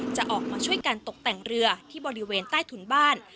จะออกมาช่วยกันตกแต่งเรือที่บริเวณใต้ถุนบ้าน